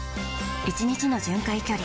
１日の巡回距離